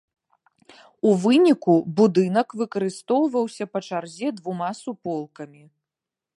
У выніку будынак выкарыстоўваўся па чарзе двума суполкамі.